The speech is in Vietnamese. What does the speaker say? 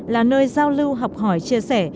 là nơi giao lưu học hỏi chia sẻ